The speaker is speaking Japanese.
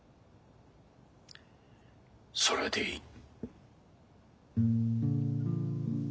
それでいい。